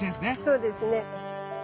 そうですね。